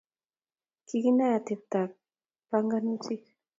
Kikinae atebto ab panganutik